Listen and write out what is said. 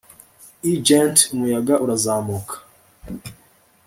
i ghent umuyaga urazamuka.